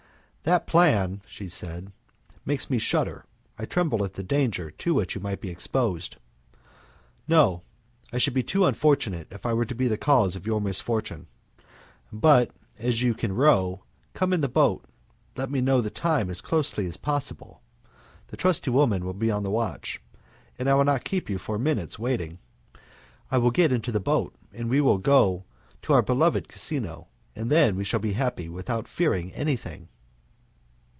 "That plan," said she, "makes me shudder. I tremble at the danger to which you might be exposed. No, I should be too unfortunate if I were to be the cause of your misfortune, but, as you can row, come in the boat, let me know the time as closely as possible; the trusty woman will be on the watch, and I will not keep you four minutes waiting. I will get into the boat, we will go to our beloved casino, and then we shall be happy without fearing anything."